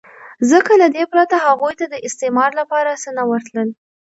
ځکه له دې پرته هغوی ته د استثمار لپاره څه نه ورتلل